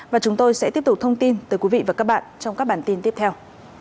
và chúng tôi sẽ tiếp tục thông tin tới quý vị và các bạn trong các bản tin tiếp theo